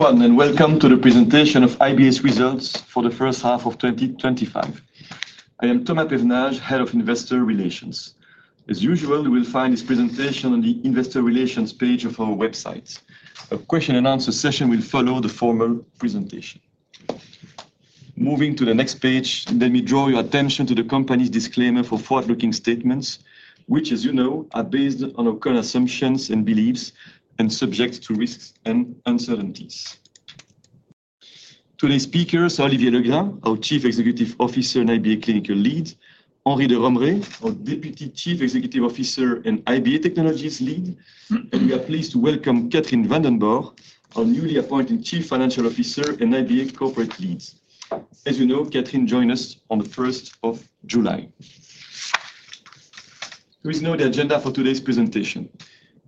Welcome to the presentation of IBA Results for the First Half of 2025. I am Thomas Pevenage, Head of Investor Relations. As usual, you will find this presentation on the Investor Relations page of our website. A question and answer session will follow the formal presentation. Moving to the next page, let me draw your attention to the company's disclaimer for forward-looking statements, which, as you know, are based on our current assumptions and beliefs and subject to risks and uncertainties. Today's speakers are Olivier Legrain, our Chief Executive Officer and IBA Clinical Lead; Henri de Romrée, our Deputy Chief Executive Officer and IBA Technologies Lead; and we are pleased to welcome Catherine Vandenborre, our newly appointed Chief Financial Officer and IBA Corporate Lead. As you know, Catherine joined us on the 1st of July. Here is now the agenda for today's presentation.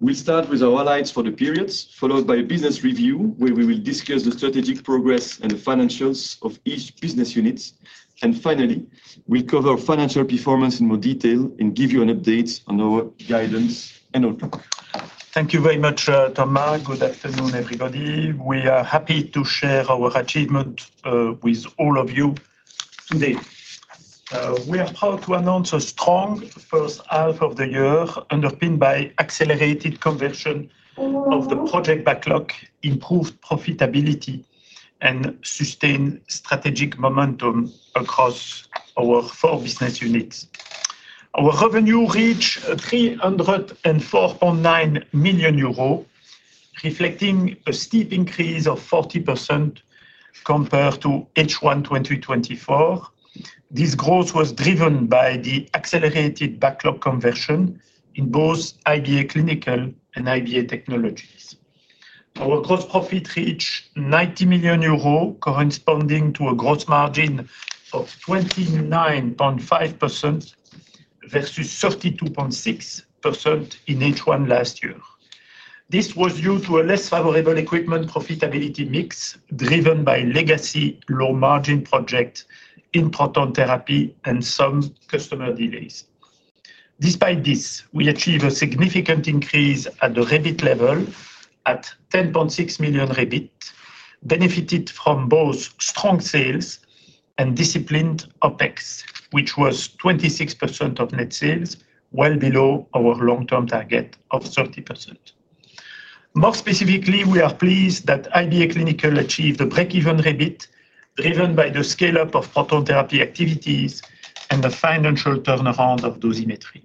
We start with our highlights for the period, followed by a business review where we will discuss the strategic progress and the financials of each business unit. Finally, we'll cover financial performance in more detail and give you an update on our guidance and outlook. Thank you very much, Thomas. Good afternoon, everybody. We are happy to share our achievements with all of you today. We are proud to announce a strong first half of the year, underpinned by accelerated conversion of the project backlog, improved profitability, and sustained strategic momentum across our four business units. Our revenue reached 304.9 million euro, reflecting a steep increase of 40% compared to H1 2024. This growth was driven by the accelerated backlog conversion in both IBA Clinical and IBA Technologies. Our gross profit reached 90 million euros, corresponding to a gross margin of 29.5% versus 32.6% in H1 last year. This was due to a less favorable equipment profitability mix driven by legacy low-margin projects, in proton therapy, and some customer delays. Despite this, we achieved a significant increase at the rebit level at 10.6 million rebit, benefited from both strong sales and disciplined OpEx, which was 26% of net sales, well below our long-term target of 30%. More specifically, we are pleased that IBA Clinical achieved a break-even rebit, driven by the scale-up of proton therapy activities and the financial turnaround of dosimetry.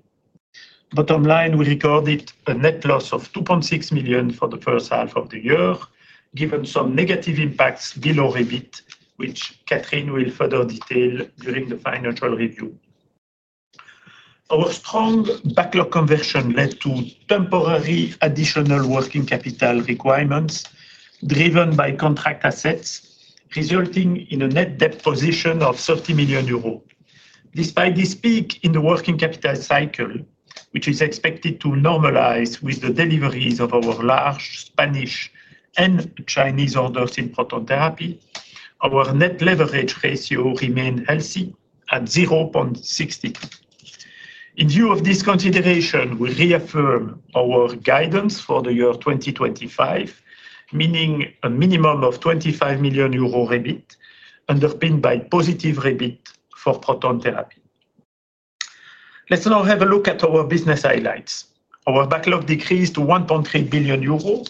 Bottom line, we recorded a net loss of 2.6 million for the first half of the year, given some negative impacts below rebit, which Catherine will further detail during the financial review. Our strong backlog conversion led to temporary additional working capital requirements, driven by contract assets, resulting in a net debt position of 30 million euros. Despite this peak in the working capital cycle, which is expected to normalize with the deliveries of our large Spanish and Chinese orders in proton therapy, our net leverage ratio remained healthy at 0.63. In view of this consideration, we reaffirm our guidance for the year 2025, meaning a minimum of 25 million euro rebit, underpinned by positive rebit for proton therapy. Let's now have a look at our business highlights. Our backlog decreased to 1.3 billion euro,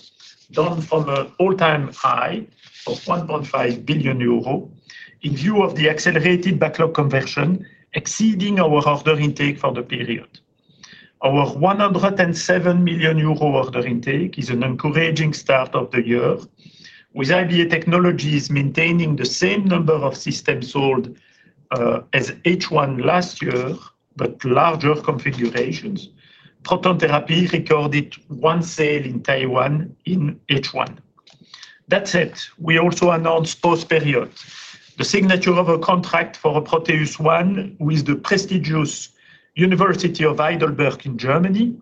down from an all-time high of 1.5 billion euro, in view of the accelerated backlog conversion exceeding our order intake for the period. Our 107 million euro order intake is an encouraging start of the year, with IBA Technologies maintaining the same number of systems sold as H1 last year, but larger configurations. Proton Therapy recorded one sale in Taiwan in H1. That said, we also announced post-period the signature of a contract for ProteusONE with the prestigious University of Heidelberg in Germany.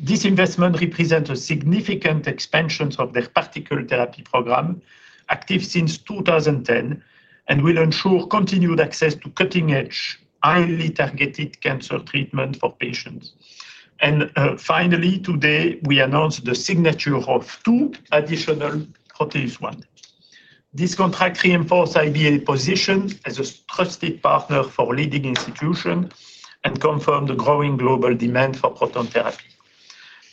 This investment represents a significant expansion of their particle therapy program, active since 2010, and will ensure continued access to cutting-edge, highly targeted cancer treatment for patients. Finally, today we announced the signature of two additional ProteusONE. This contract reinforces IBA positions as a trusted partner for leading institutions and confirms the growing global demand for proton therapy.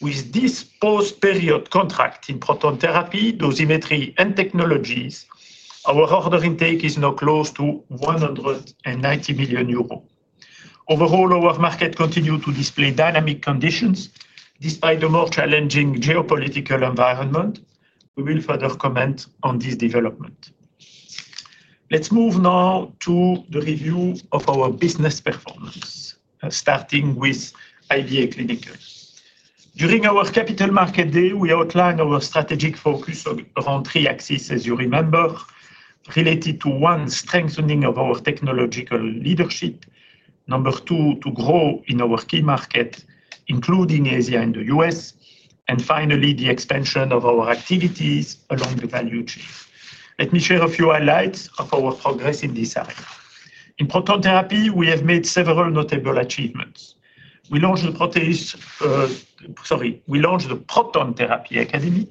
With this post-period contract in proton therapy, dosimetry, and technologies, our order intake is now close to 190 million euros. Overall, our market continues to display dynamic conditions despite the more challenging geopolitical environment. We will further comment on this development. Let's move now to the review of our business performance, starting with IBA Clinical. During our Capital Market Day, we outlined our strategic focus on the round three axis, as you remember, related to, one, strengthening of our technological leadership; number two, to grow in our key markets, including Asia and the U.S.; and finally, the expansion of our activities along the value chain. Let me share a few highlights of our progress in this area. In proton therapy, we have made several notable achievements. We launched the Proton Therapy Academy,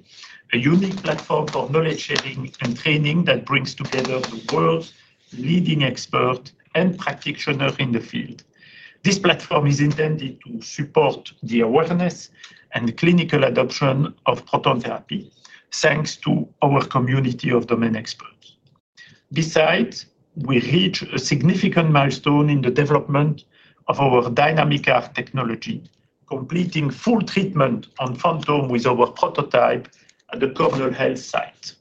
a unique platform for knowledge sharing and training that brings together the world's leading experts and practitioners in the field. This platform is intended to support the awareness and clinical adoption of proton therapy, thanks to our community of domain experts. Besides, we reached a significant milestone in the development of our DynamicART technology, completing full treatment on phantom with our prototype at the Cornell Health site.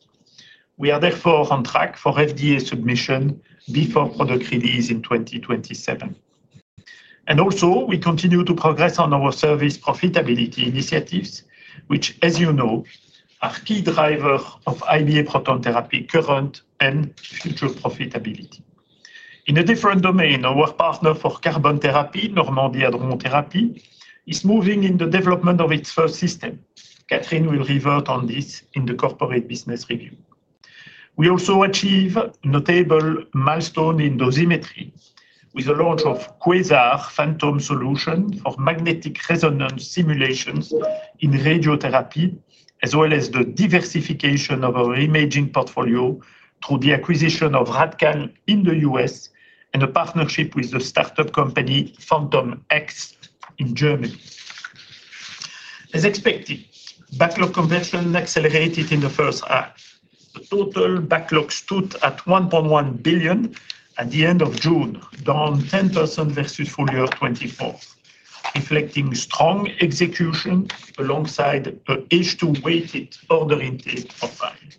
We are therefore on track for FDA submission before product release in 2027. Also, we continue to progress on our service profitability initiatives, which, as you know, are a key driver of IBA proton therapy current and future profitability. In a different domain, our partner for carbon therapy, Normandy Adromé therapy, is moving in the development of its first system. Catherine will revert on this in the corporate business review. We also achieved a notable milestone in dosimetry with the launch of QUASAR phantom solutions of magnetic resonance simulations in radiotherapy, as well as the diversification of our imaging portfolio through the acquisition of Radcal in the U.S. and a partnership with the startup company Phantom X in Germany. As expected, backlog conversion accelerated in the first half. The total backlog stood at 1.1 billion at the end of June, down 10% versus full year 2024, reflecting strong execution alongside an H2 weighted order intake for FIDE.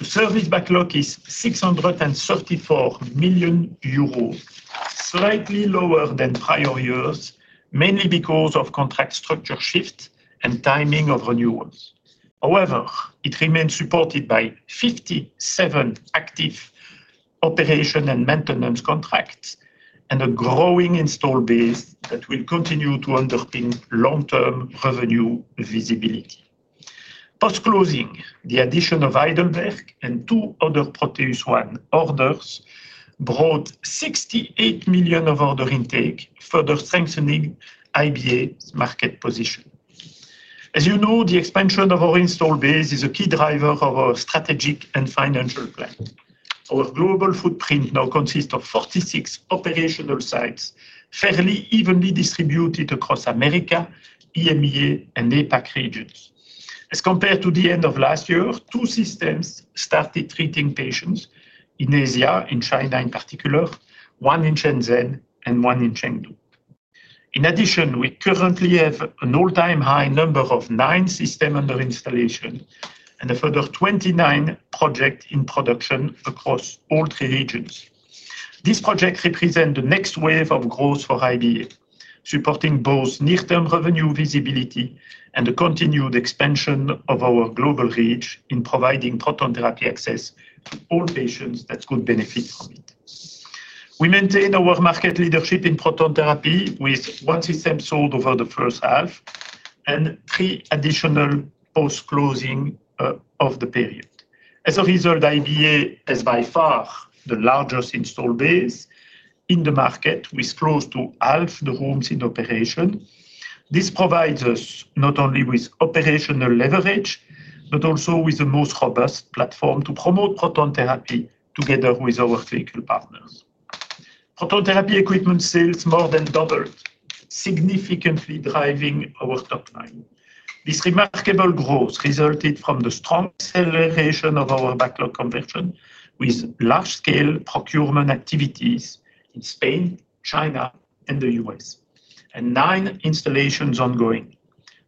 The service backlog is 634 million euros, slightly lower than prior years, mainly because of contract structure shifts and timing of renewals. However, it remains supported by 57 active operation and maintenance contracts and a growing install base that will continue to underpin long-term revenue visibility. Post-closing, the addition of Heidelberg and two other ProteusONE orders brought 68 million of order intake, further strengthening IBA market position. As you know, the expansion of our install base is a key driver of our strategic and financial plan. Our global footprint now consists of 46 operational sites, fairly evenly distributed across America, EMEA, and APAC regions. As compared to the end of last year, two systems started treating patients in Asia, in China in particular, one in Shenzhen and one in Chengdu. In addition, we currently have an all-time high number of nine systems under installation and a further 29 projects in production across all three regions. These projects represent the next wave of growth for IBA, supporting both near-term revenue visibility and the continued expansion of our global reach in providing proton therapy access to all patients that could benefit from it. We maintain our market leadership in proton therapy with one system sold over the first half and three additional post-closing of the period. As a result, IBA has by far the largest install base in the market, with close to half the rooms in operation. This provides us not only with operational leverage, but also with the most robust platform to promote proton therapy together with our clinical partners. Proton therapy equipment sales more than doubled, significantly driving our top line. This remarkable growth resulted from the strong acceleration of our backlog conversion with large-scale procurement activities in Spain, China, and the U.S., and nine installations ongoing.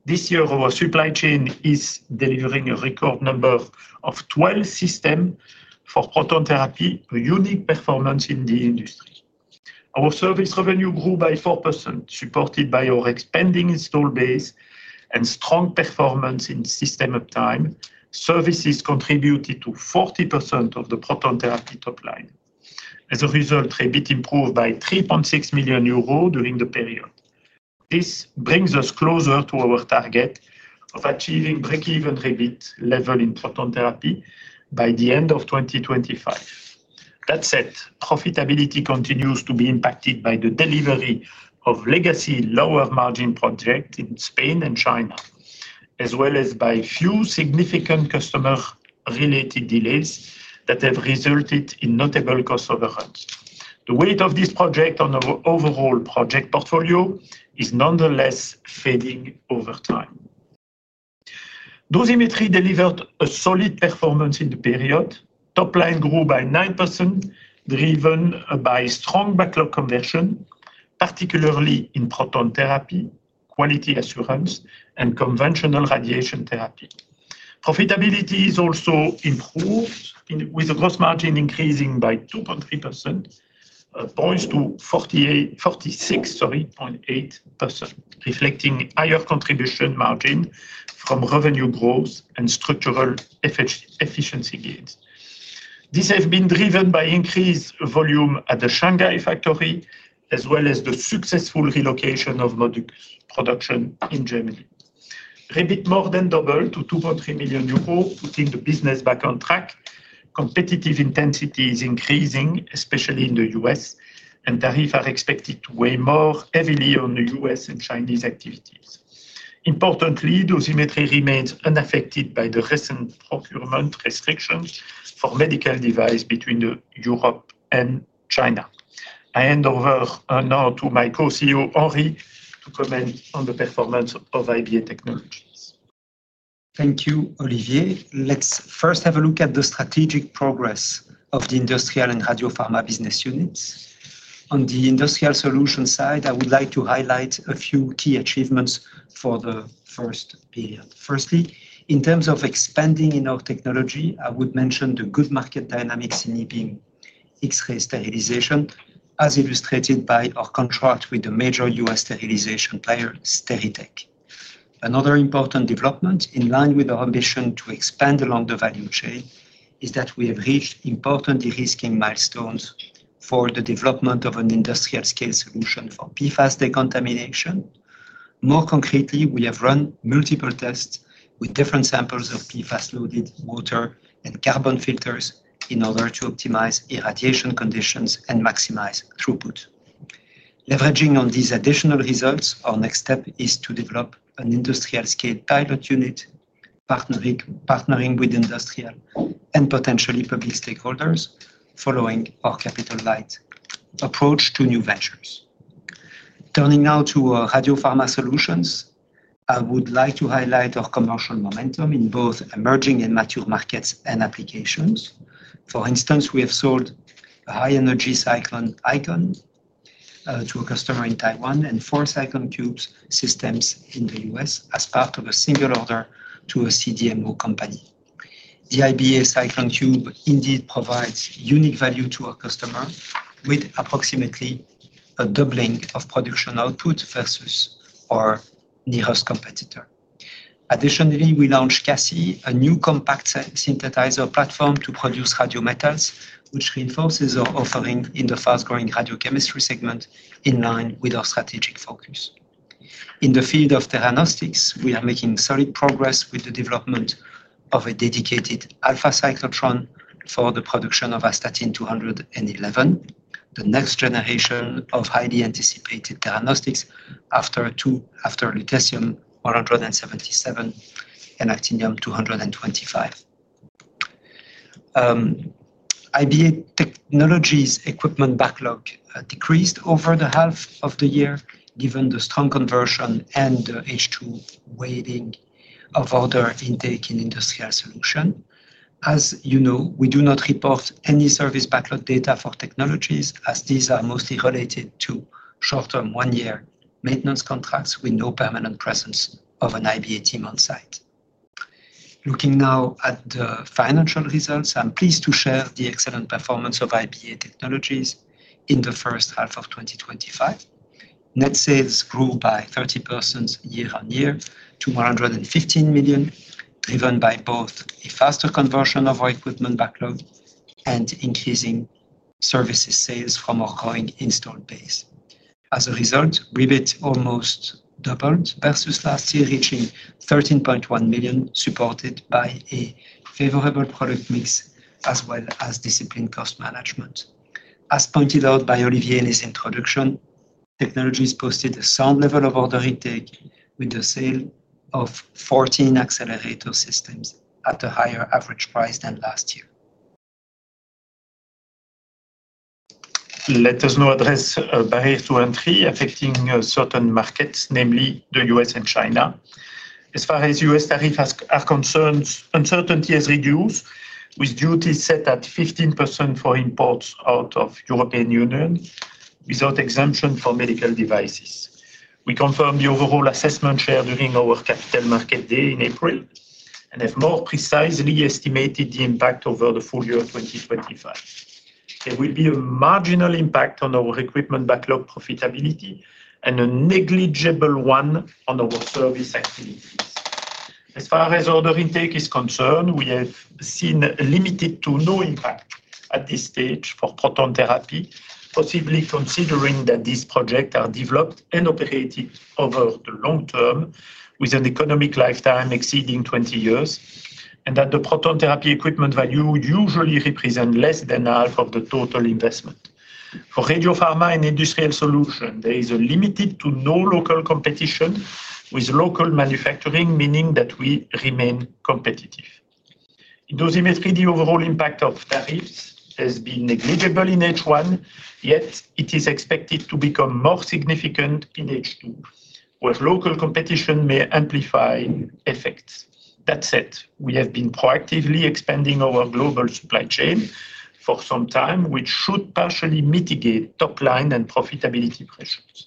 This year, our supply chain is delivering a record number of 12 systems for proton therapy, a unique performance in the industry. Our service revenue grew by 4%, supported by our expanding install base and strong performance in system uptime. Services contributed to 40% of the proton therapy top line. As a result, rebits improved by 3.6 million euros during the period. This brings us closer to our target of achieving break-even rebit level in proton therapy by the end of 2025. That said, profitability continues to be impacted by the delivery of legacy lower margin projects in Spain and China, as well as by few significant customer-related delays that have resulted in notable cost overruns. The weight of this project on the overall project portfolio is nonetheless fading over time. Dosimetry delivered a solid performance in the period. Top line grew by 9%, driven by strong backlog conversion, particularly in proton therapy, quality assurance, and conventional radiation therapy. Profitability is also improved, with a gross margin increasing by 2.3%, poised to 46.8%, reflecting higher contribution margin from revenue growth and structural efficiency gains. These have been driven by increased volume at the Shanghai factory, as well as the successful relocation of modules production in Germany. Rebit more than doubled to 2.3 million euros within the business background track. Competitive intensity is increasing, especially in the U.S., and tariffs are expected to weigh more heavily on the U.S. and Chinese activities. Importantly, dosimetry remains unaffected by the recent procurement restrictions for medical devices between Europe and China. I hand over now to my co-CEO, Henri de Romrée, to comment on the performance of IBA Technologies. Thank you, Olivier. Let's first have a look at the strategic progress of the industrial and radiopharma business units. On the industrial solution side, I would like to highlight a few key achievements for the first period. Firstly, in terms of expanding in our technology, I would mention the good market dynamics enabling X-ray sterilization, as illustrated by our contract with the major U.S. sterilization player, SteriTek. Another important development in line with our ambition to expand along the value chain is that we have reached important risking milestones for the development of an industrial-scale solution for PFAS decontamination. More concretely, we have run multiple tests with different samples of PFAS-loaded water and carbon filters in order to optimize irradiation conditions and maximize throughput. Leveraging on these additional results, our next step is to develop an industrial-scale pilot unit, partnering with industrial and potentially public stakeholders following our capital light approach to new ventures. Turning now to our radiopharma solutions, I would like to highlight our commercial momentum in both emerging and mature markets and applications. For instance, we have sold a high-energy Cyclone Icon to a customer in Taiwan and four Cyclone Cube systems in the U.S. as part of a single order to a CDMO company. The IBA Cyclone Cube indeed provides unique value to our customer with approximately a doubling of production output versus our nearest competitor. Additionally, we launched CASSY, a new compact synthesizer platform to produce radiometers, which reinforces our offering in the fast-growing radiochemistry segment in line with our strategic focus. In the field of theranostics, we are making solid progress with the development of a dedicated alpha cyclotron for the production of Astatin 211, the next generation of highly anticipated theranostics after lutetium 177 and actinium-225. IBA Technologies' equipment backlog decreased over the half of the year, given the strong conversion and the H2 waiting of order intake in industrial solutions. As you know, we do not report any service backlog data for Technologies, as these are mostly related to short-term one-year maintenance contracts with no permanent presence of an IBA team on site. Looking now at the financial results, I'm pleased to share the excellent performance of IBA Technologies in the first half of 2025. Net sales grew by 30% year-on-year to 115 million, driven by both a faster conversion of our equipment backlog and increasing services sales from our growing install base. As a result, rebits almost doubled versus last year, reaching 13.1 million, supported by a favorable product mix as well as disciplined cost management. As pointed out by Olivier in his introduction, Technologies posted a sound level of order intake with a sale of 14 accelerator systems at a higher average price than last year. Let us now address a barrier to entry affecting certain markets, namely the U.S. and China. As far as U.S. tariffs are concerned, uncertainty has reduced, with duties set at 15% for imports out of the European Union without exemption for medical devices. We confirmed the overall assessment share during our Capital Market Day in April and have more precisely estimated the impact over the full year of 2025. There will be a marginal impact on our equipment backlog profitability and a negligible one on our service activities. As far as order intake is concerned, we have seen limited to no impact at this stage for proton therapy, possibly considering that these projects are developed and operated over the long term with an economic lifetime exceeding 20 years and that the proton therapy equipment value would usually represent less than half of the total investment. For radiopharma and industrial solutions, there is a limited to no local competition with local manufacturing, meaning that we remain competitive. Dosimetry, the overall impact of tariffs has been negligible in H1, yet it is expected to become more significant in H2, where local competition may amplify effects. That said, we have been proactively expanding our global supply chain for some time, which should partially mitigate top line and profitability pressures.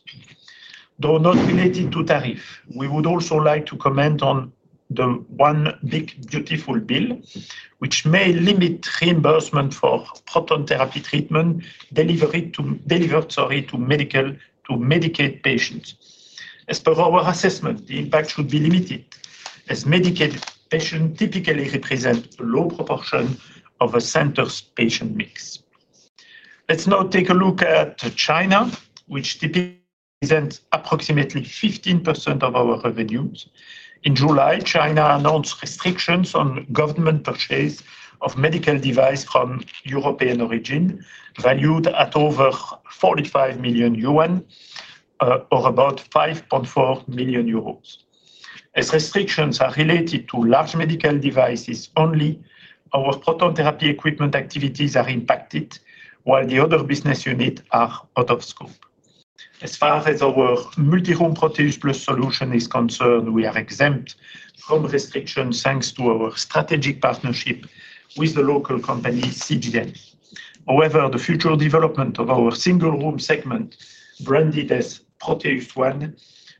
Though not related to tariff, we would also like to comment on the one big dutiful bill, which may limit reimbursement for proton therapy treatment delivered to Medicaid patients. As per our assessment, the impact should be limited, as Medicaid patients typically represent a low proportion of a center's patient mix. Let's now take a look at China, which represents approximately 15% of our revenues. In July, China announced restrictions on government purchase of medical devices from European origin valued at over EUR 45 million or about 5.4 million euros. As restrictions are related to large medical devices only, our proton therapy equipment activities are impacted, while the other business units are out of scope. As far as our multi-room Proteus Plus solution is concerned, we are exempt from restrictions thanks to our strategic partnership with the local company, CDL. However, the future development of our single room segment, branded as ProteusONE,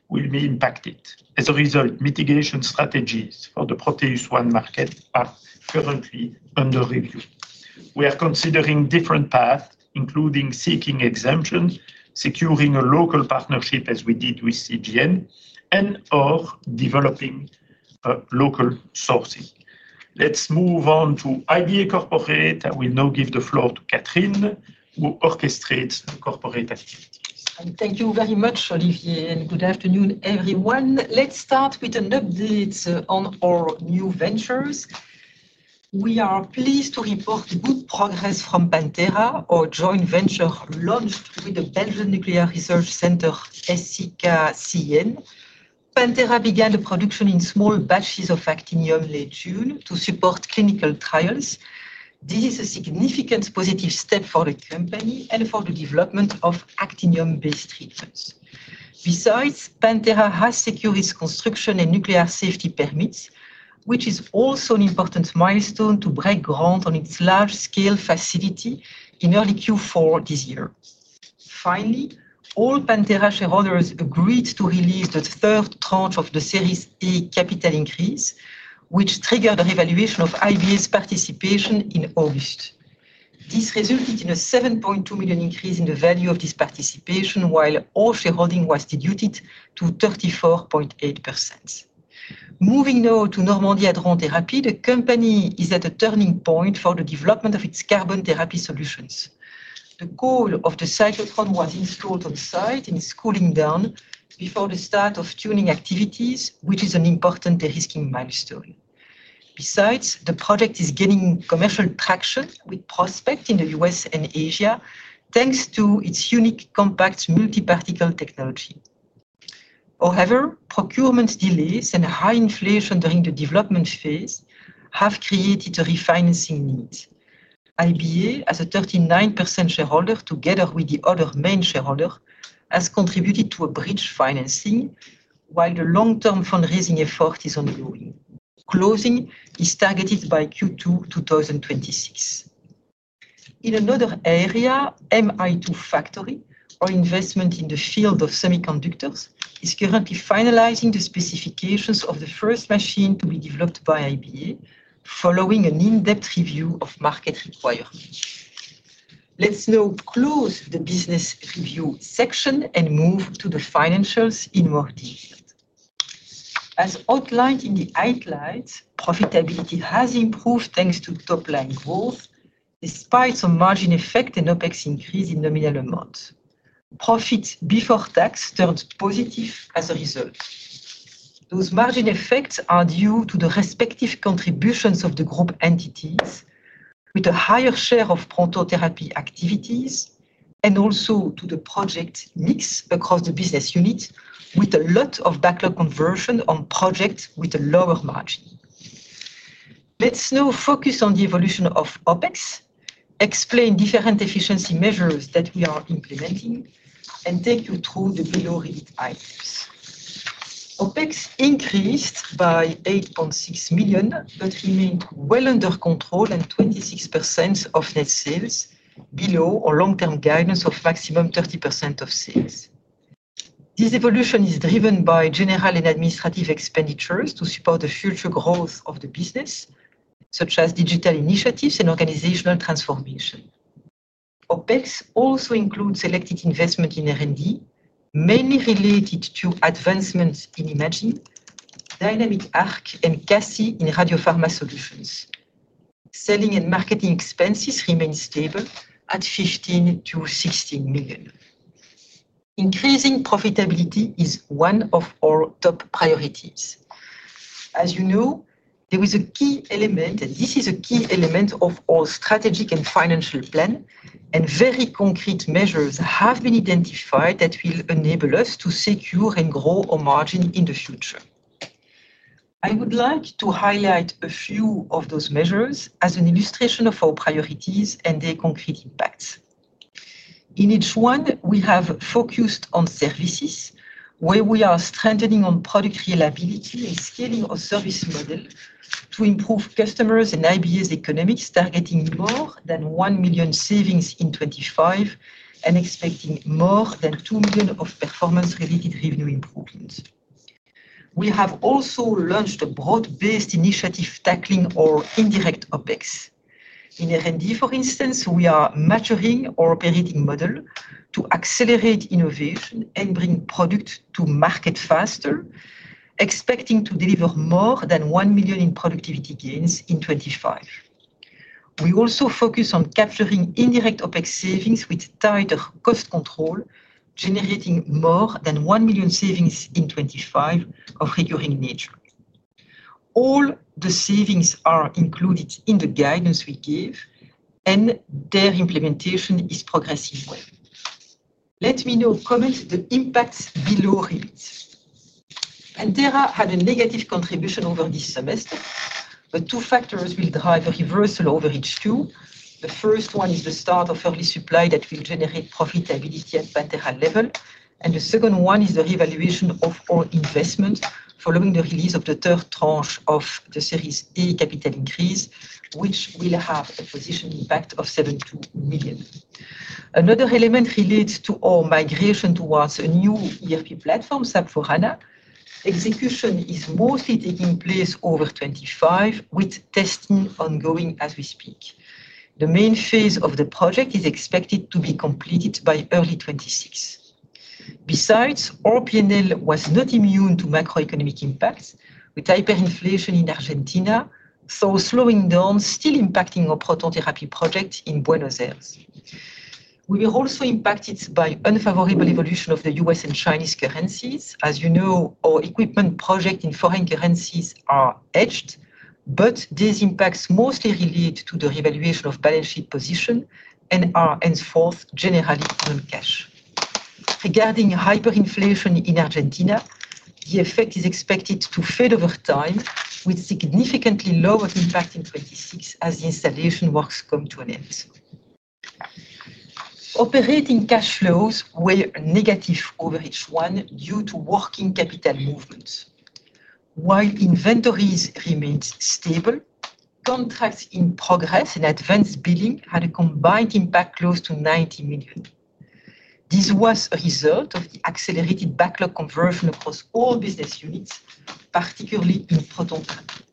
will be impacted. As a result, mitigation strategies for the ProteusONE market are currently under review. We are considering different paths, including seeking exemptions, securing a local partnership as we did with CDL, and/or developing local sources. Let's move on to IBA corporate. I will now give the floor to Catherine, who orchestrates the corporate activity. Thank you very much, Olivier, and good afternoon, everyone. Let's start with an update on our new ventures. We are pleased to report the good progress from Pantera, our joint venture launched with the Belgian Nuclear Research Center, SCK CEN. Pantera began the production in small batches of actinium-225 to support clinical trials. This is a significant positive step for the company and for the development of actinium-based treatments. Besides, Pantera has secured its construction and nuclear safety permits, which is also an important milestone to break ground on its large-scale facility in early Q4 this year. Finally, all Pantera shareholders agreed to release the third tranche of the Series A capital increase, which triggered a revaluation of IBA's participation in August. This resulted in a 7.2 million increase in the value of this participation, while all shareholding was diluted to 34.8%. Moving now to Normandy Adromé therapy, the company is at a turning point for the development of its carbon therapy systems. The core of the cyclotron was installed on site and is cooling down before the start of tuning activities, which is an important derisking milestone. Besides, the project is gaining commercial traction with prospects in the U.S. and Asia, thanks to its unique compact multiparticle technology. However, procurement delays and high inflation during the development phase have created a refinancing need. IBA, as a 39% shareholder together with the other main shareholders, has contributed to a bridge financing, while the long-term fundraising effort is ongoing. Closing is targeted by Q2 2026. In another area, Mi2-factory, our investment in the field of semiconductors, is currently finalizing the specifications of the first machine to be developed by IBA, following an in-depth review of market requirements. Let's now close the business review section and move to the financials in more detail. As outlined in the highlights, profitability has improved thanks to top line growth, despite some margin effect and OpEx increase in nominal amounts. Profits before tax turned positive as a result. Those margin effects are due to the respective contributions of the group entities, with a higher share of proton therapy activities, and also to the project mix across the business units, with a lot of backlog conversion on projects with a lower margin. Let's now focus on the evolution of OpEx, explain different efficiency measures that we are implementing, and take you through the delivery times. OpEx increased by 8.6 million, but remained well under control at 26% of net sales, below our long-term guidance of maximum 30% of sales. This evolution is driven by general and administrative expenditures to support the future growth of the business, such as digital initiatives and organizational transformation. OpEx also includes selected investment in R&D, mainly related to advancements in imaging, DynamicART and CASSY in radiopharma solutions. Selling and marketing expenses remain stable at 15 million-16 million. Increasing profitability is one of our top priorities. As you know, this is a key element of our strategic and financial plan, and very concrete measures have been identified that will enable us to secure and grow our margin in the future. I would like to highlight a few of those measures as an illustration of our priorities and their concrete impacts. In H1, we have focused on services, where we are strengthening on product reliability and scaling our service model to improve customers and IBA's economics, targeting more than 1 million savings in 2025 and expecting more than 2 million of performance-related revenue improvements. We have also launched a broad-based initiative tackling our indirect OpEx. In R&D, for instance, we are measuring our operating model to accelerate, innovate, and bring product to market faster, expecting to deliver more than 1 million in productivity gains in 2025. We also focus on capturing indirect OpEx savings with tighter cost control, generating more than 1 million savings in 2025 of recurring nature. All the savings are included in the guidance we gave, and their implementation is progressing well. Let me now comment the impacts below these. Pantera had a negative contribution over this semester, but two factors will drive a reversal over H2. The first one is the start of early supply that will generate profitability at Pantera level, and the second one is the revaluation of our investment following the release of the third tranche of the Series A capital increase, which will have the positive impact of 7.2 million. Another element relates to our migration towards a new ERP platform, S/4HANA. Execution is mostly taking place over 2025, with testing ongoing as we speak. The main phase of the project is expected to be completed by early 2026. Besides, our P&L was not immune to macroeconomic impacts, with hyperinflation in Argentina slowing down, still impacting our proton therapy project in Buenos Aires. We were also impacted by unfavorable evolution of the U.S. and Chinese currencies. As you know, our equipment projects in foreign currencies are hedged, but these impacts mostly relate to the revaluation of balance sheet position and are enforced generally through cash. Regarding hyperinflation in Argentina, the effect is expected to fade over time, with significantly lower impact in 2026 as the installation works come to an end. Operating cash flows were negative over H1 due to working capital movements. While inventories remained stable, contracts in progress and advanced billing had a combined impact close to 90 million. This was a result of the accelerated backlog conversion across all business units, particularly in proton therapy.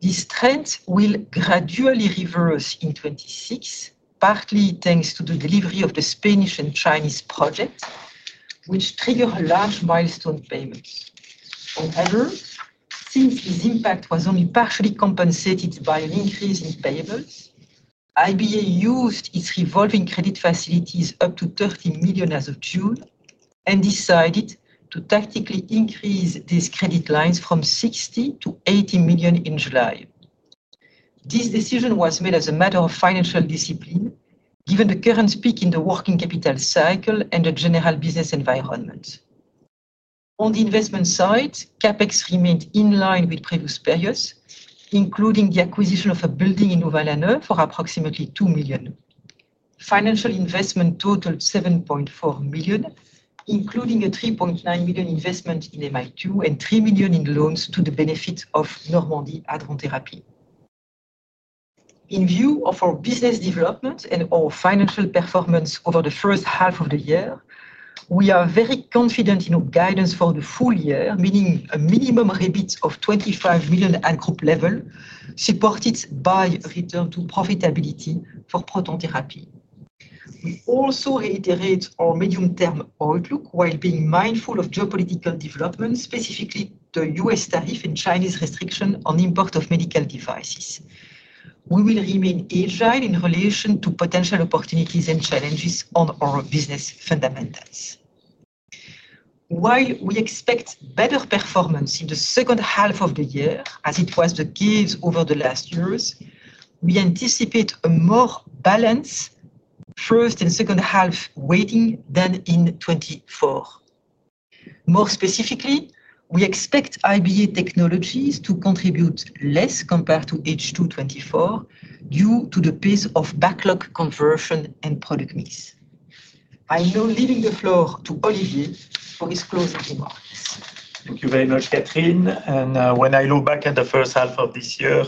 This trend will gradually reverse in 2026, partly thanks to the delivery of the Spanish and Chinese projects, which triggered a large milestone payment. However, since this impact was only partially compensated by an increase in payables, IBA used its revolving credit facilities up to 30 million as of June and decided to tactically increase these credit lines from 60 million to 80 million in July. This decision was made as a matter of financial discipline, given the current peak in the working capital cycle and the general business environment. On the investment side, CapEx remained in line with previous periods, including the acquisition of a building in Louvain-la-Neuve for approximately 2 million. Financial investment totaled 7.4 million, including a 3.9 million investment in Mi2 and 3 million in loans to the benefit of Normandy Adromé therapy. In view of our business development and our financial performance over the first half of the year, we are very confident in our guidance for the full year, meaning a minimum rebit of 25 million at group level, supported by a return to profitability for proton therapy. We also reiterate our medium-term outlook while being mindful of geopolitical developments, specifically the U.S. tariff and Chinese restriction on import of medical devices. We will remain agile in relation to potential opportunities and challenges on our business fundamentals. While we expect better performance in the second half of the year, as it was the case over the last years, we anticipate a more balanced first and second half weighting than in 2024. More specifically, we expect IBA Technologies to contribute less compared to H2 2024, due to the pace of backlog conversion and product mix. I now leave the floor to Olivier for his closing remarks. Thank you very much, Catherine. When I look back at the first half of this year,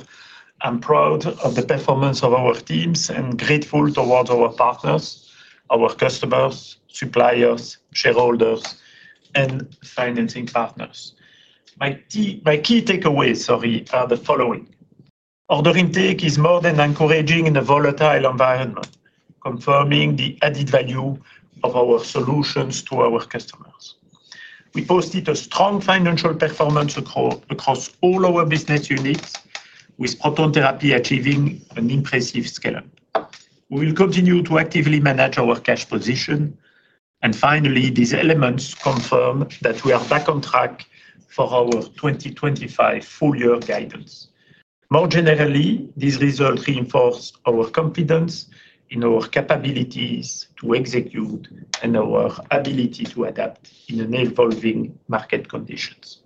I'm proud of the performance of our teams and grateful towards our partners, our customers, suppliers, shareholders, and financing partners. My key takeaways are the following: Order intake is more than encouraging in a volatile environment, confirming the added value of our solutions to our customers. We posted a strong financial performance across all our business units, with proton therapy achieving an impressive scale-up. We will continue to actively manage our cash position. Finally, these elements confirm that we are back on track for our 2025 full-year guidance. More generally, these results reinforce our confidence in our capabilities to execute and our ability to adapt in unemploring market conditions.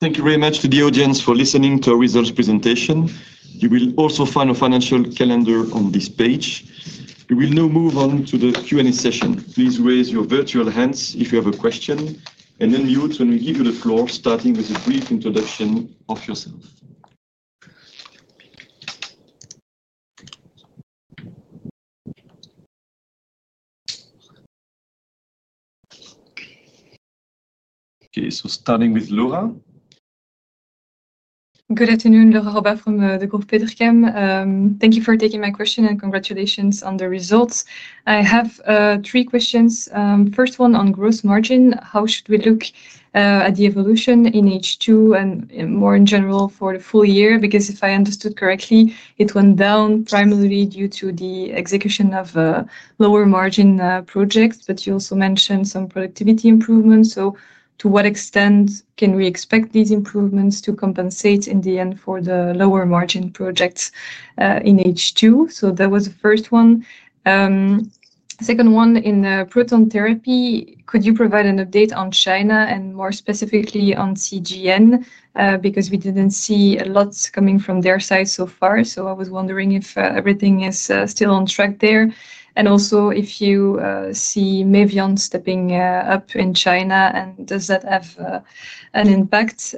Thank you very much to the audience for listening to our research presentation. You will also find a financial calendar on this page. We will now move on to the Q&A session. Please raise your virtual hands if you have a question, and we will turn and give you the floor, starting with a brief introduction of yourself. Okay, starting with Laura. Good afternoon, Laura Roba from the Degroof Peterchem. Thank you for taking my question and congratulations on the results. I have three questions. First one on gross margin. How should we look at the evolution in H2 and more in general for the full year? Because if I understood correctly, it went down primarily due to the execution of lower margin projects, but you also mentioned some productivity improvements. To what extent can we expect these improvements to compensate in the end for the lower margin projects in H2? That was the first one. Second one in proton therapy, could you provide an update on China and more specifically on CGN? We didn't see a lot coming from their side so far. I was wondering if everything is still on track there and also if you see Mevion stepping up in China and does that have an impact?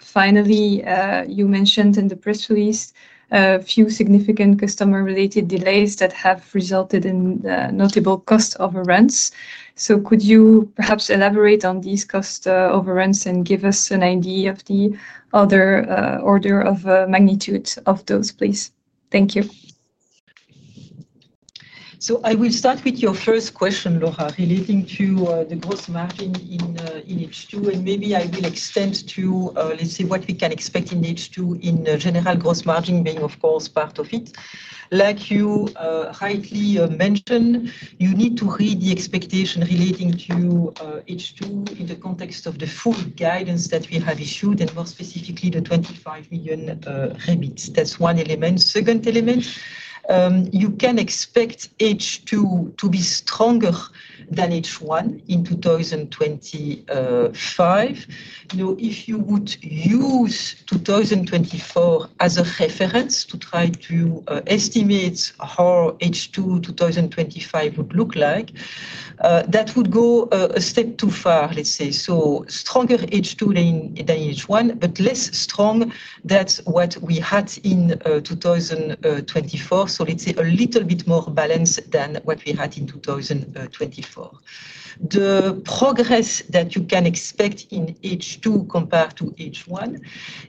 Finally, you mentioned in the press release a few significant customer-related delays that have resulted in notable cost overruns. Could you perhaps elaborate on these cost overruns and give us an idea of the order of magnitude of those, please? Thank you. I will start with your first question, Laura, relating to the gross margin in H2. Maybe I will extend to what we can expect in H2 in general, gross margin being, of course, part of it. Like you rightly mentioned, you need to read the expectation relating to H2 in the context of the full guidance that we have issued, and more specifically the 25 million rebit. That's one element. Second element, you can expect H2 to be stronger than H1 in 2025. If you would use 2024 as a reference to try to estimate how H2 2025 would look like, that would go a step too far. Stronger H2 than H1, but less strong than what we had in 2024. A little bit more balanced than what we had in 2024. The progress that you can expect in H2 compared to H1,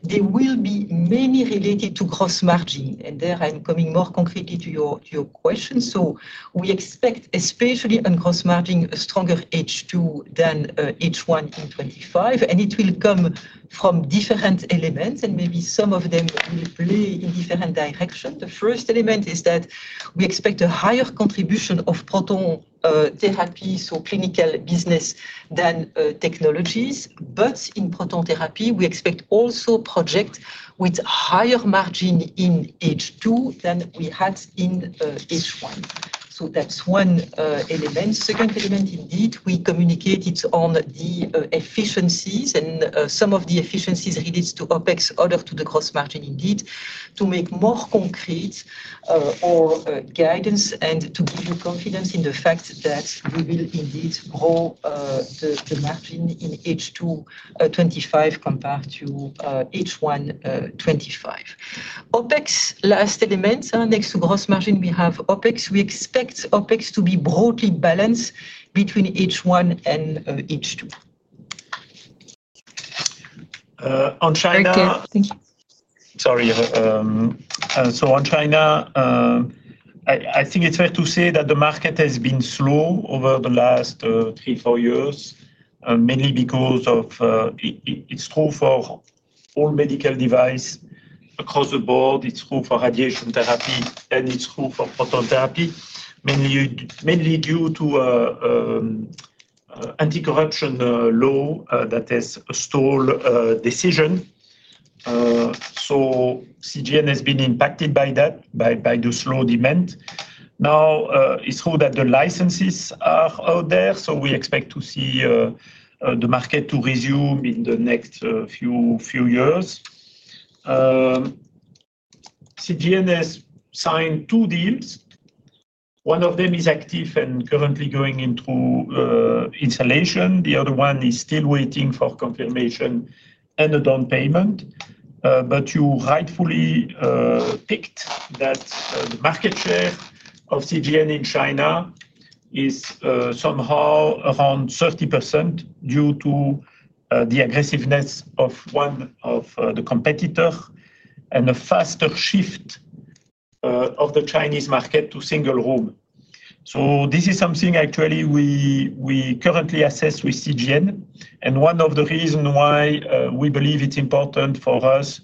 there will be many related to gross margin. There I'm coming more concretely to your question. We expect especially on gross margin a stronger H2 than H1 in 2025. It will come from different elements, and maybe some of them will play in different directions. The first element is that we expect a higher contribution of proton therapy, so clinical business, than technologies. In proton therapy, we expect also projects with higher margin in H2 than we had in H1. That's one element. Second element, indeed, we communicated on the efficiencies and some of the efficiencies related to OpEx, others to the gross margin, indeed, to make more concrete our guidance and to give you confidence in the fact that we will indeed grow the margin in H2 2025 compared to H1 2025. OpEx, last element, next to gross margin, we have OpEx. We expect OpEx to be broadly balanced between H1 and H2. On China. Thank you. Sorry. On China, I think it's fair to say that the market has been slow over the last three, four years, mainly because it's true for all medical devices across the board. It's true for radiation therapy, and it's true for proton therapy, mainly due to an anti-corruption law that has stalled decisions. CGN has been impacted by that, by the slow demand. It's true that the licenses are out there, so we expect to see the market resume in the next few years. CGN has signed two deals. One of them is active and currently going through installation. The other one is still waiting for confirmation and a down payment. You rightfully picked that the market share of CGN in China is somehow around 30% due to the aggressiveness of one of the competitors and a faster shift of the Chinese market to single room. This is something we currently assess with CGN. One of the reasons why we believe it's important for us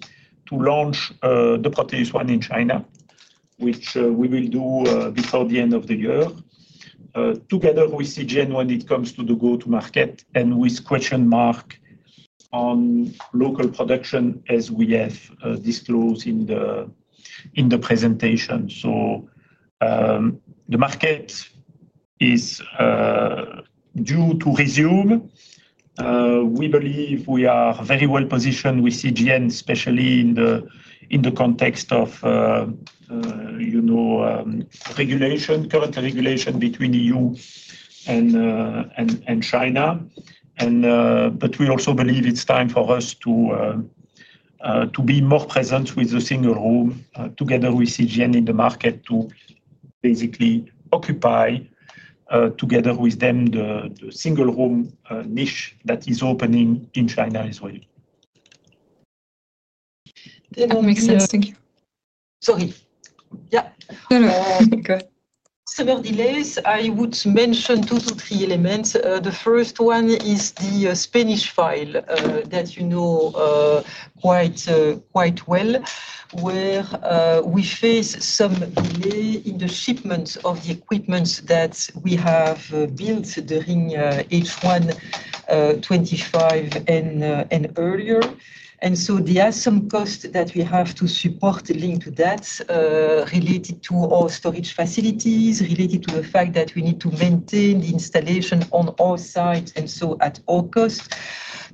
to launch the ProteusONE in China, which we will do before the end of the year, together with CGN when it comes to the go-to-market and with a question mark on local production as we have disclosed in the presentation. The market is due to resume. We believe we are very well positioned with CGN, especially in the context of regulation, current regulation between the EU and China. We also believe it's time for us to be more present with the single room, together with CGN in the market to basically occupy, together with them, the single room niche that is opening in China as well. That will make sense. Thank you. Sorry. Yeah. Go ahead. Several delays. I would mention two to three elements. The first one is the Spanish file that you know quite well, where we face some delay in the shipment of the equipment that we have built during H1 2025 and earlier. There are some costs that we have to support linked to that, related to our storage facilities, related to the fact that we need to maintain the installation on all sites, and at all costs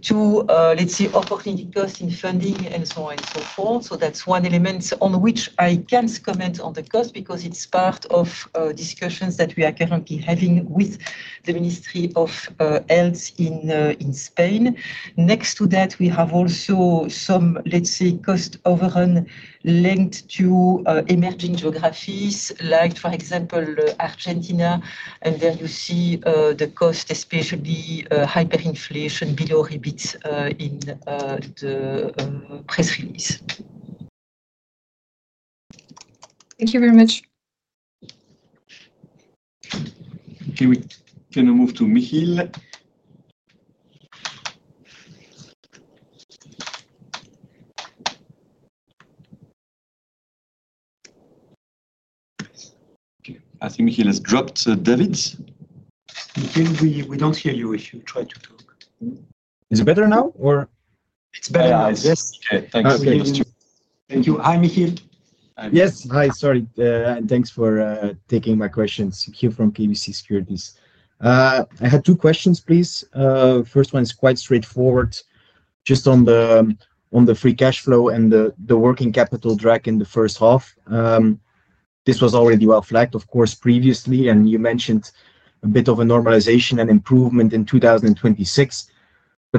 to, let's say, opportunity costs in funding and so on and so forth. That's one element on which I can't comment on the cost because it's part of discussions that we are currently having with the Ministry of Health in Spain. Next to that, we have also some, let's say, cost overruns linked to emerging geographies, like for example, Argentina. There you see the cost, especially hyperinflation below rebates in the press release. Thank you very much. Okay, we're going to move to Michiel. I think Michiel has dropped. David? Michiel, we don't hear you if you try to talk. Is it better now? It's better now. Thanks. Thank you. Hi, Michiel. Hi. Yes. Hi, sorry. Thanks for taking my questions. Hugh from PBC Securities. I had two questions, please. First one is quite straightforward, just on the free cash flow and the working capital drag in the first half. This was already well flagged, of course, previously, and you mentioned a bit of a normalization and improvement in 2026.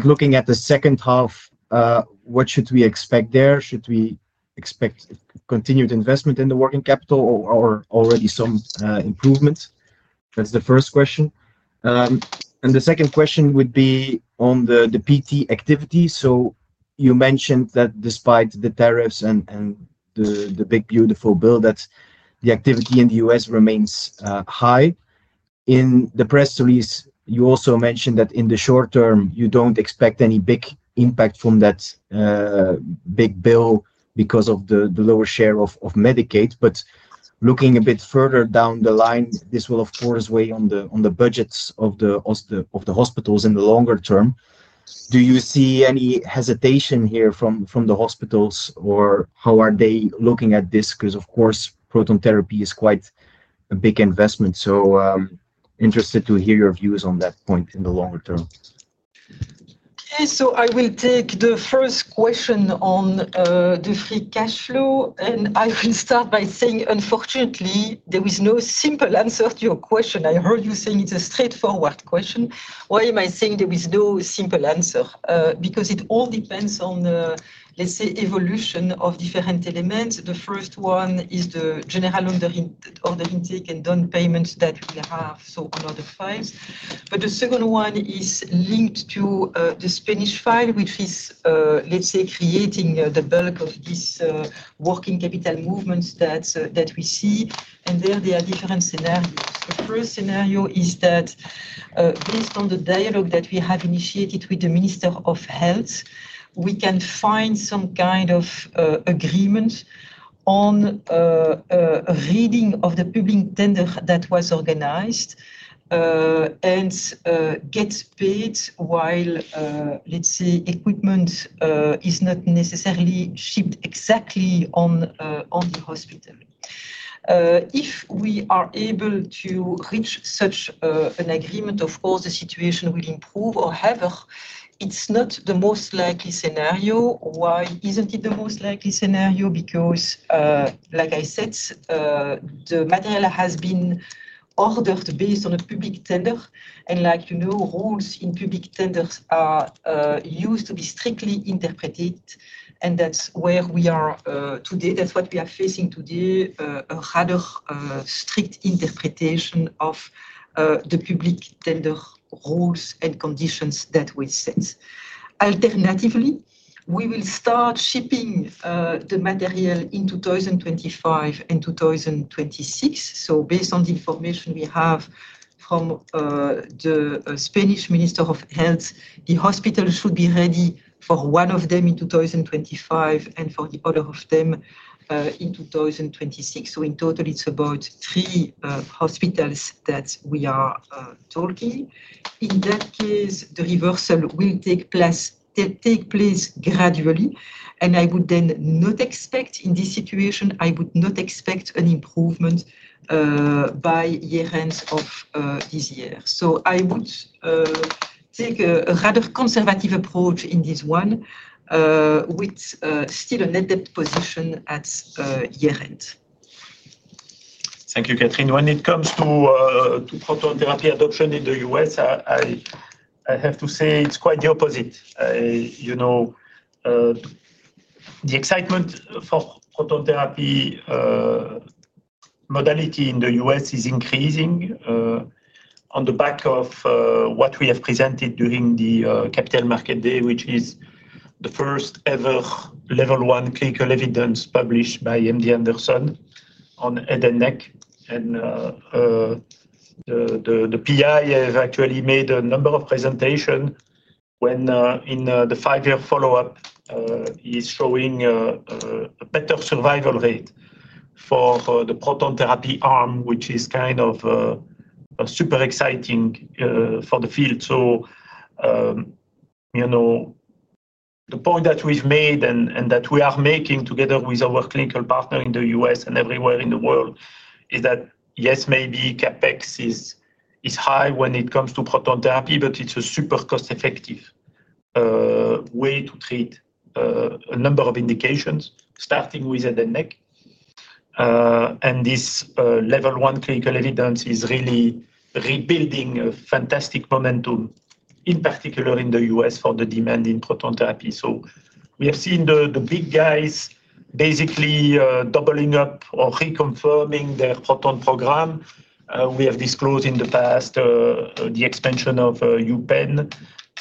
Looking at the second half, what should we expect there? Should we expect continued investment in the working capital or already some improvement? That's the first question. The second question would be on the PT activity. You mentioned that despite the tariffs and the big, beautiful bill, the activity in the U.S. remains high. In the press release, you also mentioned that in the short term, you don't expect any big impact from that big bill because of the lower share of Medicaid. Looking a bit further down the line, this will, of course, weigh on the budgets of the hospitals in the longer term. Do you see any hesitation here from the hospitals or how are they looking at this? Because, of course, proton therapy is quite a big investment. I'm interested to hear your views on that point in the longer term. Okay, so I will take the first question on the free cash flow. I will start by saying, unfortunately, there is no simple answer to your question. I heard you saying it's a straightforward question. Why am I saying there is no simple answer? Because it all depends on, let's say, evolution of different elements. The first one is the general under order intake and down payments that we have on other files. The second one is linked to the Spanish file, which is, let's say, creating the bulk of these working capital movements that we see. There are different scenarios. The first scenario is that based on the dialogue that we have initiated with the Minister of Health, we can find some kind of agreement on a reading of the public tender that was organized and gets paid while, let's say, equipment is not necessarily shipped exactly on the hospital. If we are able to reach such an agreement, of course, the situation will improve. However, it's not the most likely scenario. Why isn't it the most likely scenario? Because, like I said, the material has been ordered based on a public tender. Like you know, rules in public tenders are used to be strictly interpreted. That's where we are today. That's what we are facing today, a rather strict interpretation of the public tender rules and conditions that we set. Alternatively, we will start shipping the material in 2025 and 2026. Based on the information we have from the Spanish Minister of Health, the hospital should be ready for one of them in 2025 and for the other of them in 2026. In total, it's about three hospitals that we are talking. In that case, the reversal will take place gradually. I would then not expect, in this situation, I would not expect an improvement by year end of this year. I would take a rather conservative approach in this one, with still an adept position at year end. Thank you, Catherine. When it comes to proton therapy adoption in the U.S., I have to say it's quite the opposite. You know, the excitement for proton therapy modality in the U.S. is increasing on the back of what we have presented during the Capital Market Day, which is the first ever Level 1 clinical evidence published by MD Anderson on head and neck. The PI has actually made a number of presentations when in the five-year follow-up, he is showing a better survival rate for the proton therapy arm, which is kind of super exciting for the field. The point that we've made and that we are making together with our clinical partner in the U.S. and everywhere in the world is that, yes, maybe CapEx is high when it comes to proton therapy, but it's a super cost-effective way to treat a number of indications, starting with head and neck. This Level 1 clinical evidence is really rebuilding a fantastic momentum, in particular in the U.S. for the demand in proton therapy. We have seen the big guys basically doubling up or reconfirming their proton program. We have disclosed in the past the expansion of UPEN,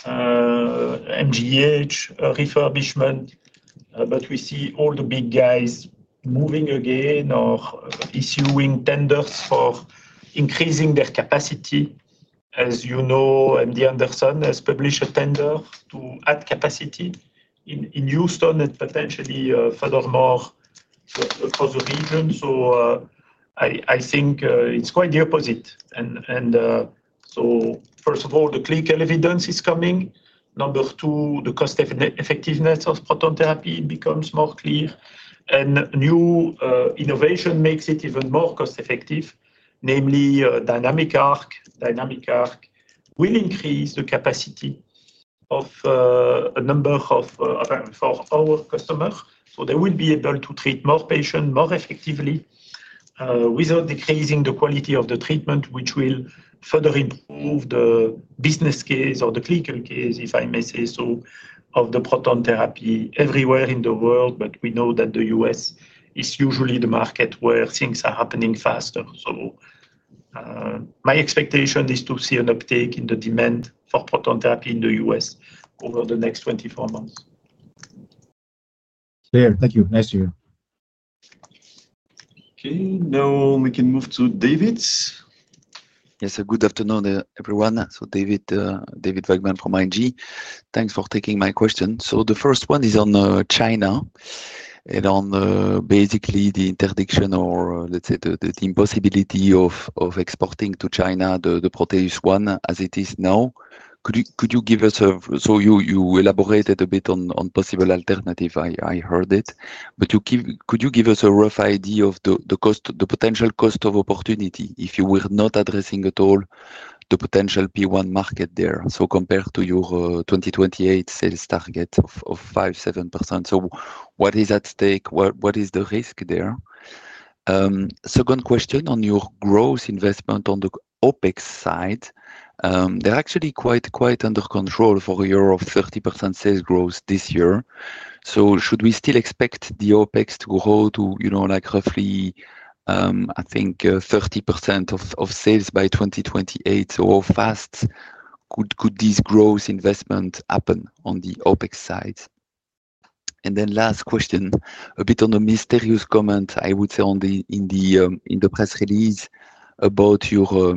MGH refurbishment. We see all the big guys moving again or issuing tenders for increasing their capacity. As you know, MD Anderson has published a tender to add capacity in Houston and potentially furthermore across the region. I think it's quite the opposite. First of all, the clinical evidence is coming. Number two, the cost effectiveness of proton therapy becomes more clear. New innovation makes it even more cost-effective, namely DynamicART. DynamicART will increase the capacity of a number of our customers. They will be able to treat more patients more effectively without decreasing the quality of the treatment, which will further improve the business case or the clinical case, if I may say so, of the proton therapy everywhere in the world. We know that the U.S. is usually the market where things are happening faster. My expectation is to see an uptake in the demand for proton therapy in the U.S. over the next 24 months. Thank you. Nice to hear. Okay, now we can move to David. Yes, good afternoon, everyone. David, David Vagman from ING. Thanks for taking my question. The first one is on China and on basically the interdiction or let's say the impossibility of exporting to China the ProteusONE as it is now. Could you give us a... You elaborated a bit on possible alternatives. I heard it. Could you give us a rough idea of the potential cost of opportunity if you were not addressing at all the potential P1 market there? Compared to your 2028 sales target of 5%, 7%, what is at stake? What is the risk there? Second question on your growth investment on the OpEx side. They're actually quite under control for a year of 30% sales growth this year. Should we still expect the OpEx to grow to, you know, like roughly, I think, 30% of sales by 2028? How fast could this growth investment happen on the OpEx side? Last question, a bit on the mysterious comment I would say in the press release about your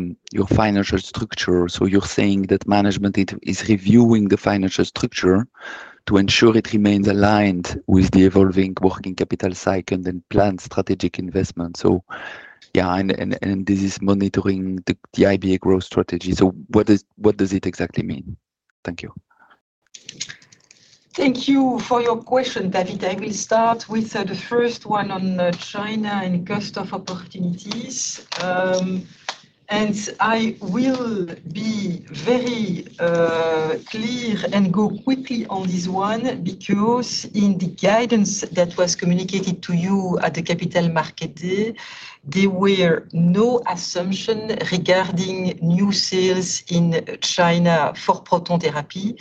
financial structure. You're saying that management is reviewing the financial structure to ensure it remains aligned with the evolving working capital cycle and then plan strategic investment. This is monitoring the IBA growth strategy. What does it exactly mean? Thank you. Thank you for your question, David. I will start with the first one on China and cost of opportunities. I will be very clear and go quickly on this one because in the guidance that was communicated to you at the Capital Market Day, there were no assumptions regarding new sales in China for proton therapy.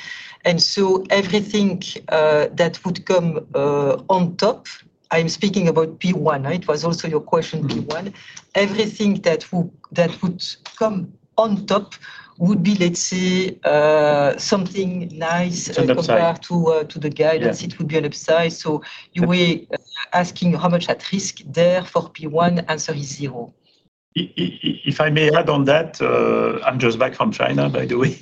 Everything that would come on top, I am speaking about P1. It was also your question, P1. Everything that would come on top would be, let's say, something nice compared to the guidance. It would be an upside. You were asking how much at risk there for P1. Answer is zero. If I may add on that, I'm just back from China, by the way.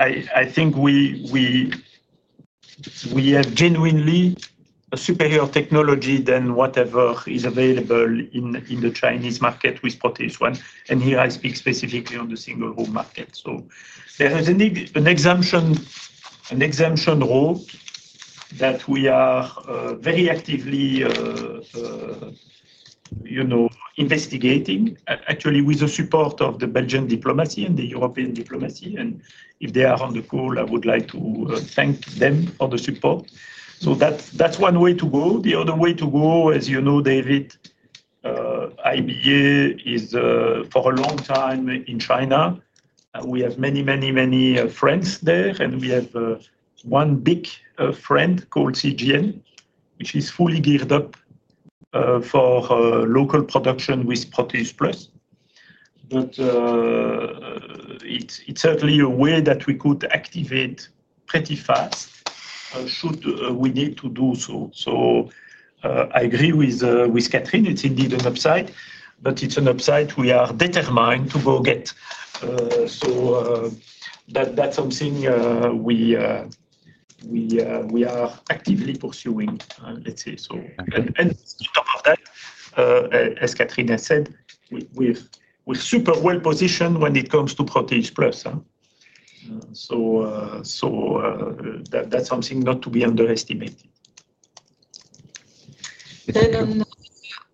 I think we have genuinely a superior technology than whatever is available in the Chinese market with ProteusONE. Here I speak specifically on the single home market. There is an exemption role that we are very actively investigating, actually with the support of the Belgian diplomacy and the European diplomacy. If they are on the call, I would like to thank them for the support. That's one way to go. The other way to go, as you know, David, IBA is for a long time in China. We have many, many, many friends there. We have one big friend called CGN, which is fully geared up for local production with Proteus PLUS. It's certainly a way that we could activate pretty fast should we need to do so. I agree with Catherine. It's indeed an upside, but it's an upside we are determined to go get. That's something we are actively pursuing, let's say so. As Catherine has said, we're super well positioned when it comes to Proteus PLUS. That's something not to be underestimated.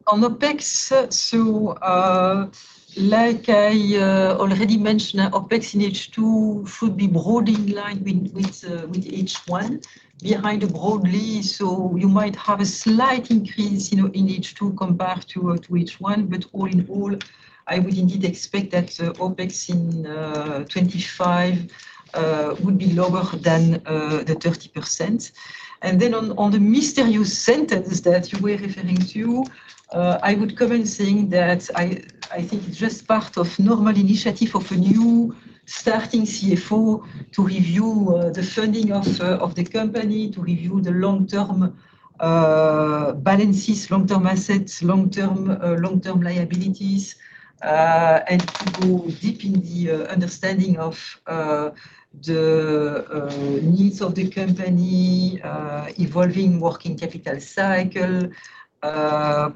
On OpEx, like I already mentioned, OpEx in H2 should be broadly in line with H1. You might have a slight increase in H2 compared to H1. All in all, I would indeed expect that OpEx 2025 would be lower than the 30%. On the mysterious sentence that you were referring to, I would comment saying that I think it's just part of a normal initiative of a new starting CFO to review the funding of the company, to review the long-term balances, long-term assets, long-term liabilities, and to go deep in the understanding of the needs of the company, evolving working capital cycle,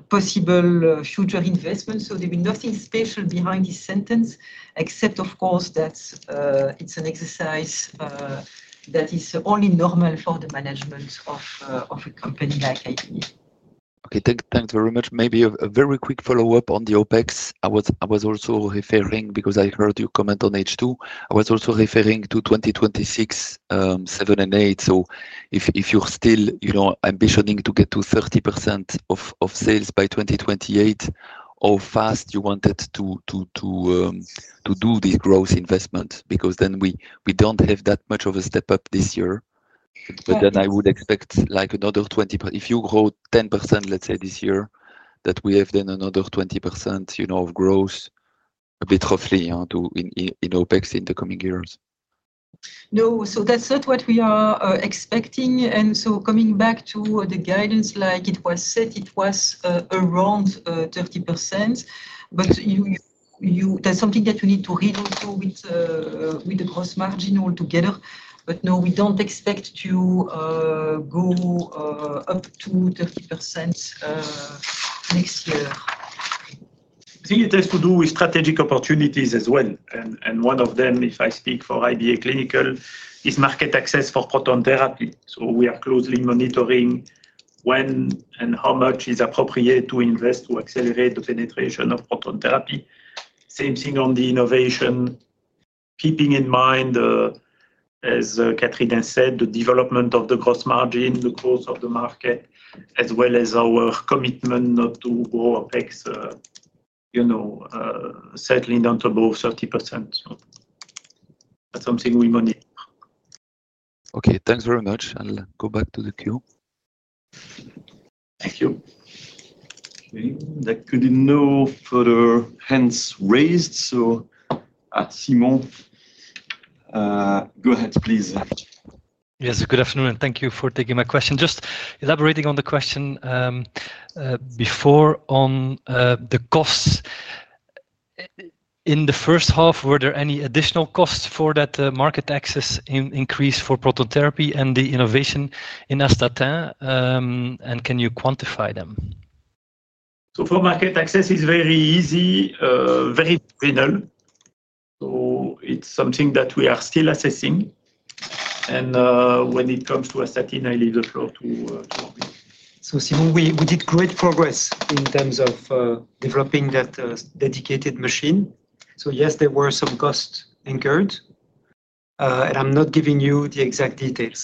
possible future investments. There will be nothing special behind this sentence, except, of course, that it's an exercise that is only normal for the management of a company like IBA. Okay, thanks very much. Maybe a very quick follow-up on the OpEx. I was also referring, because I heard your comment on H2, I was also referring to 2026, 2027, and 2028. If you're still, you know, ambitioning to get to 30% of sales by 2028, how fast you wanted to do this growth investment, because we don't have that much of a step up this year. I would expect like another 20%. If you grow 10%, let's say this year, that we have then another 20%, you know, of growth, a bit roughly, in OpEx in the coming years. No, that's not what we are expecting. Coming back to the guidance, like it was said, it was around 30%. That's something that you need to read also with the gross margin altogether. No, we don't expect to go up to 30% next year. It has to do with strategic opportunities as well. One of them, if I speak for IBA Clinical, is market access for proton therapy. We are closely monitoring when and how much is appropriate to invest to accelerate the penetration of proton therapy. Same thing on the innovation, keeping in mind, as Catherine has said, the development of the gross margin, the growth of the market, as well as our commitment to grow OpEx, certainly not above 30%. That's something we monitor. Okay, thanks very much. I'll go back to the queue. Thank you. Okay, there could be no further hands raised. Simon, go ahead, please. Yes, good afternoon, and thank you for taking my question. Just elaborating on the question before on the costs. In the first half, were there any additional costs for that market access increase for proton therapy and the innovation in Astatin? Can you quantify them? For market access, it's very easy, very pinned. It's something that we are still assessing. When it comes to Astatin, I leave the floor to... Simon, we did great progress in terms of developing that dedicated machine. Yes, there were some costs incurred. I'm not giving you the exact details,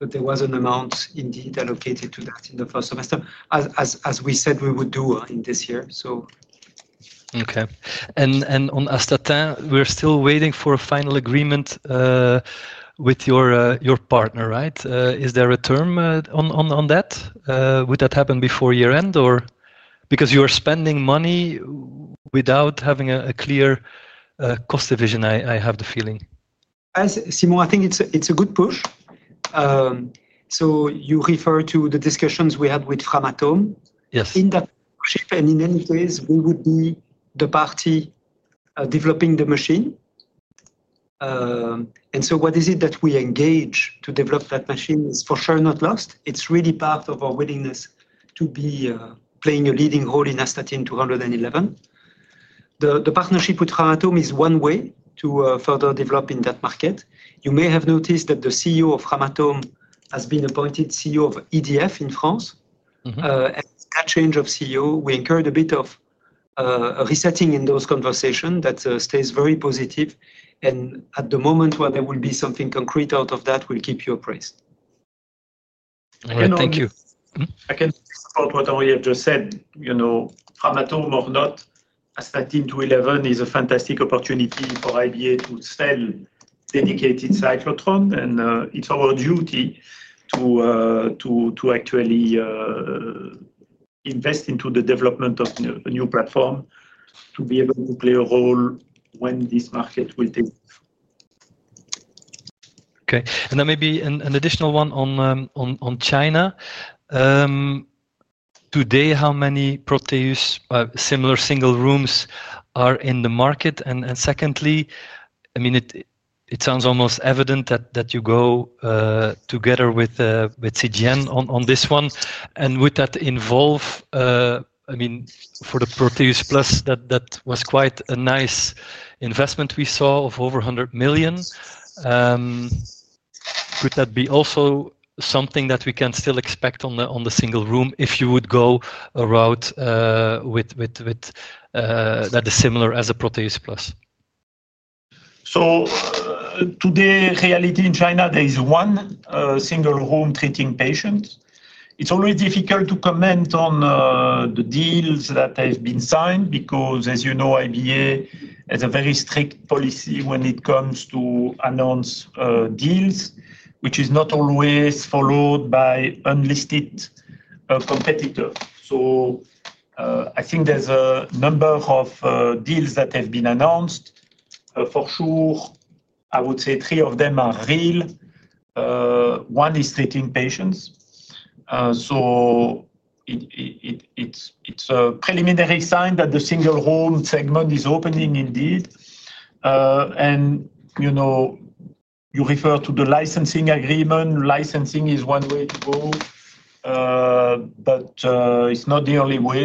but there was an amount indeed allocated to that in the first semester, as we said we would do in this year. Okay. On Astatin, we're still waiting for a final agreement with your partner, right? Is there a term on that? Would that happen before year end or... because you are spending money without having a clear cost division, I have the feeling. Simon, I think it's a good push. You refer to the discussions we had with Framatome. Yes. In that project, in any case, we would be the party developing the machine. What we engage to develop that machine is for sure not lost. It's really part of our willingness to be playing a leading role in Astatin 211. The partnership with Framatome is one way to further develop in that market. You may have noticed that the CEO of Framatome has been appointed CEO of EDF in France. That change of CEO incurred a bit of a resetting in those conversations that stays very positive. At the moment where there will be something concrete out of that, we'll keep you apprised. Thank you. Like I probably have just said, Framatome or not, Astatin 211 is a fantastic opportunity for IBA to sell dedicated cyclotron. It's our duty to actually invest into the development of a new platform to be able to play a role when this market will take. Okay. Maybe an additional one on China. Today, how many Proteus similar single rooms are in the market? It sounds almost evident that you go together with CGN on this one. Would that involve, for the Proteus PLUS, that was quite a nice investment we saw of over 100 million? Would that be also something that we can still expect on the single room if you would go around with that, is it similar as a Proteus PLUS? Today, in reality, in China, there is one single room treating patients. It's always difficult to comment on the deals that have been signed because, as you know, IBA has a very strict policy when it comes to announced deals, which is not always followed by unlisted competitors. I think there's a number of deals that have been announced. For sure, I would say three of them are real. One is treating patients. It's a preliminary sign that the single room segment is opening indeed. You refer to the licensing agreement. Licensing is one way to go, but it's not the only way.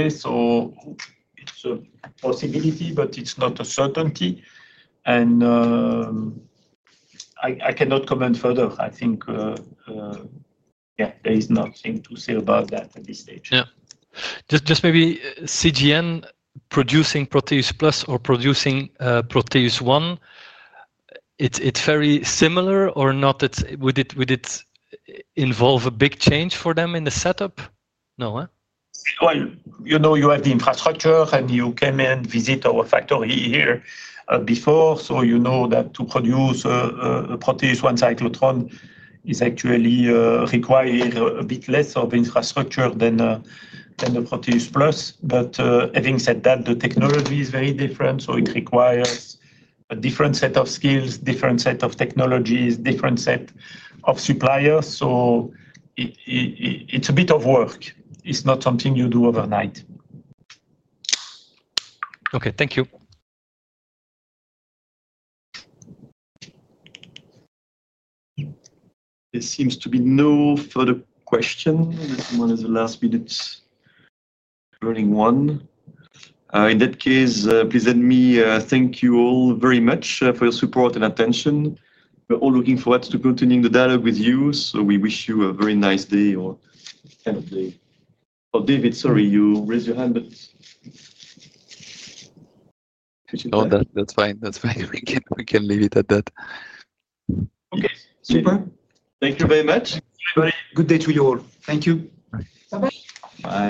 It's a possibility, but it's not a certainty. I cannot comment further. I think there is nothing to say about that at this stage. Just maybe CGN producing Proteus PLUS or producing ProteusONE is it very similar or not? Would it involve a big change for them in the setup? No, you know, you have the infrastructure and you came and visited our factory here before. You know that to produce a ProteusONE cyclotron actually requires a bit less infrastructure than the Proteus PLUS. Having said that, the technology is very different. It requires a different set of skills, a different set of technologies, a different set of suppliers. It's a bit of work. It's not something you do overnight. Okay, thank you. There seems to be no further questions. This one is the last minute running one. In that case, please let me thank you all very much for your support and attention. We're all looking forward to continuing the dialogue with you. We wish you a very nice day or end of day. Oh, David, sorry, you raised your hand, but... No, that's fine. That's fine. We can leave it at that. Super. Thank you very much. Good day to you all. Thank you. Bye.